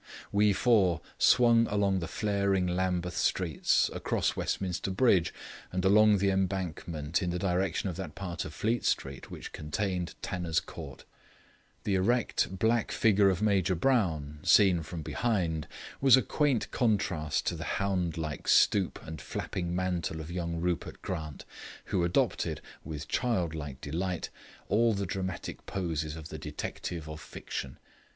We four swung along the flaring Lambeth streets, across Westminster Bridge, and along the Embankment in the direction of that part of Fleet Street which contained Tanner's Court. The erect, black figure of Major Brown, seen from behind, was a quaint contrast to the hound like stoop and flapping mantle of young Rupert Grant, who adopted, with childlike delight, all the dramatic poses of the detective of fiction.